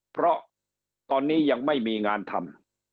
เพราะตอนนี้ยังไม่มีงานทำ